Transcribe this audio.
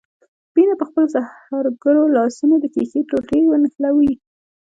مينه په خپلو سحرګرو لاسونو د ښيښې ټوټې نښلوي.